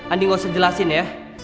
andi nggak usah jelasin ya